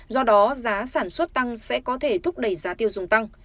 do đó giá sản xuất tăng sẽ có thể thúc đẩy giá tiêu dùng tăng